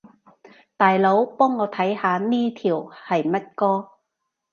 大佬，幫我看下呢條係乜歌